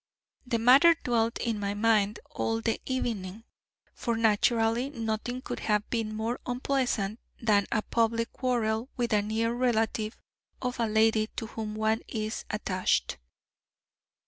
The matter dwelt in my mind all the evening, for naturally nothing could have been more unpleasant than a public quarrel with a near relative of a lady to whom one is attached."